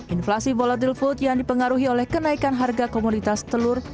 inflasi volatil food yang dipengaruhi oleh kenaikan harga komoditas telur